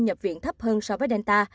nhập viện thấp hơn so với delta